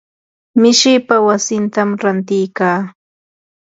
mishipaa wasitam ranti kaa.